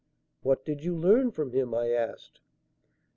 "What did you learn from him?" I asked.